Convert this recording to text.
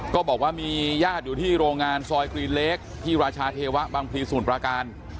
ก็บอกว่ามีญาติอยู่ที่โรงงานซอยกรีนเล็กที่ราชาเทวะบางพลีสมุทรปราการ